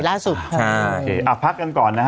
อ่าพักกันก่อนนะฮะ